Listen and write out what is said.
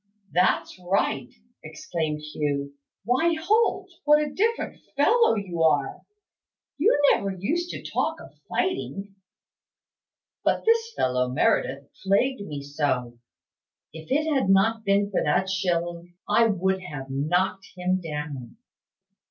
"That's right," exclaimed Hugh. "Why, Holt, what a different fellow you are! You never used to talk of fighting." "But this fellow Meredith plagued me so! If it had not been for that shilling, I would have knocked him down.